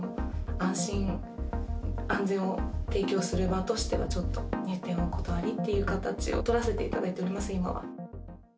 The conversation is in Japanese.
安心安全を提供する場としては、ちょっと入店をお断りという形を取らせていただいています。